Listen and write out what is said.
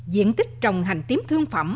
diện tích trồng hành tím thương phẩm